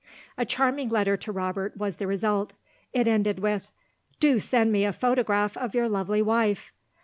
A charming letter to Robert was the result. It ended with, "Do send me a photograph of your lovely wife!"